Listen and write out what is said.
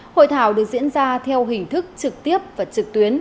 hội thảo được diễn ra theo hình thức trực tiếp và trực tuyến